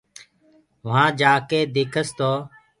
وهآنٚ جآڪي ديکس تو